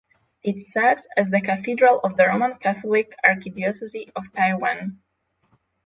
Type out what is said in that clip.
It serves as the cathedral of the Roman Catholic Archdiocese of Taiyuan.